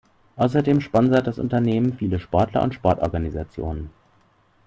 Außerdem sponsert das Unternehmen viele Sportler und Sportorganisationen.